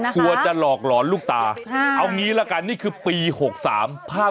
แต่เราไม่เห็นนะคะ